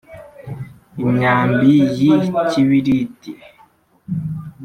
Imyambi y ikibiriti